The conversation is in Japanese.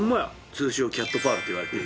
通称「キャットパール」っていわれている。